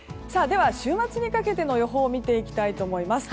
では、週末にかけての予報を見ていきたいと思います。